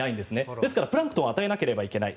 ですから、プランクトンを与えなければいけない。